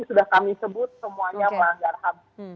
sudah kami sebut semuanya melanggar ham